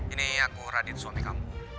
ini aku radit suami kamu